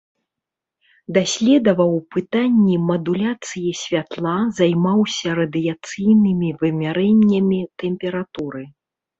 Даследаваў пытанні мадуляцыі святла, займаўся радыяцыйнымі вымярэннямі тэмпературы.